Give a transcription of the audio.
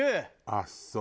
あっそう。